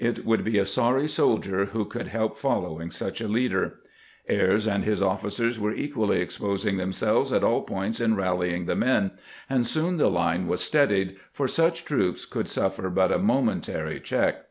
It would be a sorry soldier who could help following such a leader. Ayres and his offi cers were equally exposing themselves at all points in rallying the men; and soon the line was steadied, for such troops could suffer but a momentary check.